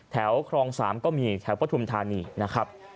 แถวครอง๓ก็มีแถวพระทุมธานีนะครับ